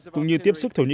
cũng như tiếp xúc thổ nhĩ kỳ